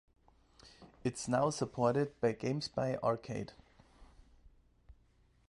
It's now supported by GameSpy Arcade.